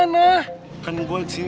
kan gue disini naik angkut gue nepe sama lia